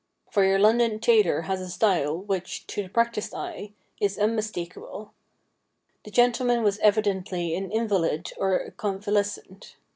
For your London tailor has a style which, to the practised eye, is unmistakable. The gentleman was evidently an invalid or a convalescent.